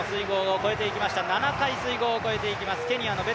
７回水濠を越えていきます。